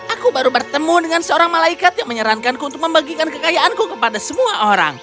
aku baru bertemu dengan seorang malaikat yang menyarankanku untuk membagikan kekayaanku kepada semua orang